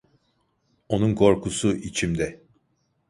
Onun korkusu, içimde.